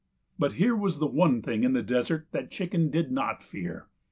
But here was the one thing in the desert that Chicken did not fear.